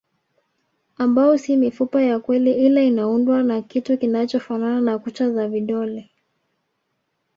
Ambao si mifupa ya kweli ila inaundwa na kitu kinachofanana na kucha za vidole